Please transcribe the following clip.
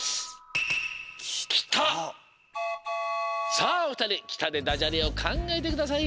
さあおふたり「きた」でダジャレをかんがえてください。